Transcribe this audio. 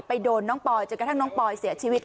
โดนน้องปอยจนกระทั่งน้องปอยเสียชีวิต